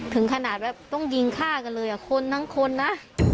ถึงขนาดแบบต้องยิงฆ่ากันเลยคนทั้งคนนะ